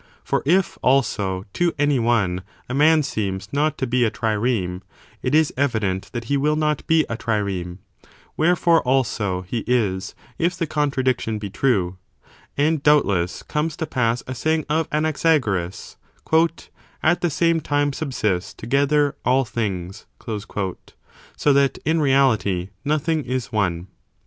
For if, also, to any one a man seems not to be a trireme, it is evident that he will not be a trireme : wherefore, also, he is, if the contradiction be true. And, doubtless, comes to pass a saying of Anaxagoras :^ "at the same time subsist together all things," so that, in reality, nothing is one.